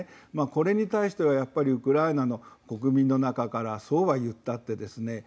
これに対しては、やっぱりウクライナの国民の中からそうはいったってですね